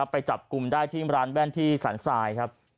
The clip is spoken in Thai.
ไปจับกลุ่มได้ที่ร้านแว่นที่สรรทรายครับ